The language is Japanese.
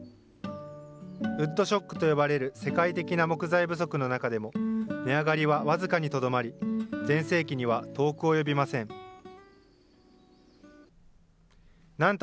ウッドショックと呼ばれる世界的な木材不足の中でも、値上がりは僅かにとどまり、全盛期には遠く及びません。